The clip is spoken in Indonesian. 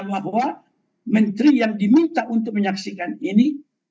bahwa menteri yang diminta untuk menyaksikan ini